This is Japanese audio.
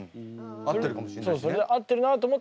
合ってるかもしれないしね。